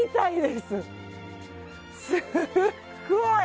すごい！